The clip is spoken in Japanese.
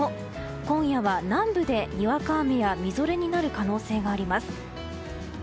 今夜は南部でにわか雨やみぞれになる可能性があります。